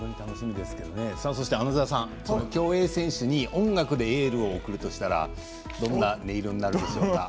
穴澤さん、競泳選手に音楽でエールを送るとしたらどんな音色になるでしょうか？